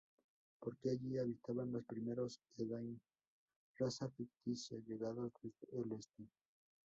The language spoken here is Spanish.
Porque allí habitaron los primeros Edain, raza ficticia, llegados desde el Este.